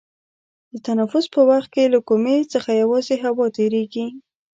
د تنفس په وخت کې له کومي څخه یوازې هوا تیرېږي.